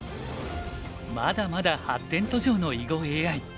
まだまだ発展途上の囲碁ＡＩ。